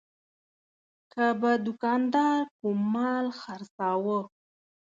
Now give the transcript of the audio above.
که به دوکاندار کوم مال خرڅاوه.